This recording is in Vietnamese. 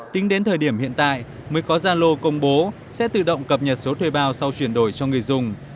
tính đến thời điểm hiện tại mới có gia lô công bố sẽ tự động cập nhật số thuê bao sau chuyển đổi cho người dùng